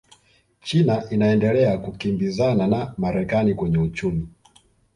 china inaendelea kukimbizana na marekani kwenye uchumi